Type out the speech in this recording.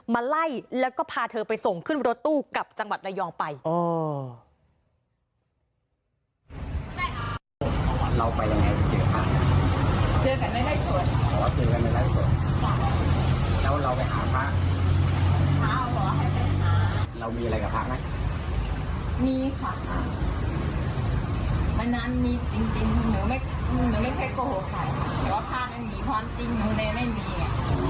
มาไล่แล้วก็พาเธอไปส่งขึ้นรถตู้กลับจังหวัดระยองไป